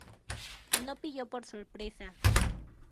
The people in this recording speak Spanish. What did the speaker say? No pilló por sorpresa.